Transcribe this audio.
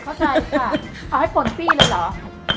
เข้าใจค่ะเอาให้ปนฟี่เลยเหรอ